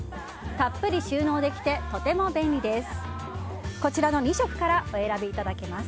たっぷり収納できてとても便利です。